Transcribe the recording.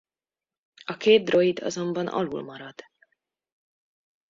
A két droid azonban alulmarad.